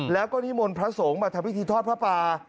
แล้วก็นิมนต์พระสงฆ์มาทำพิธีทอดพระป่า